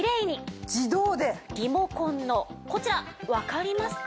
リモコンのこちらわかりますか？